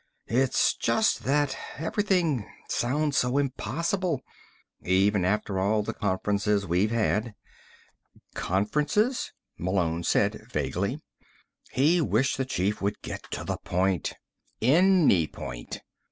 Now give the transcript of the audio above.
It's just that everything sounds so impossible. Even after all the conferences we've had." "Conferences?" Malone said vaguely. He wished the chief would get to the point. Any point.